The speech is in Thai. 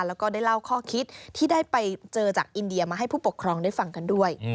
แล้วก็ได้เล่าข้อคิดที่ได้ไปเจอจากอินเดียมาให้ผู้ปกครองได้ฟังกันด้วย